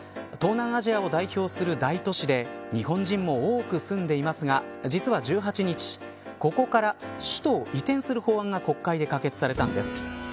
東南アジアを代表する大都市で日本人も多く住んでいますが実は１８日ここから首都を移転する法案が国会で可決されたんです。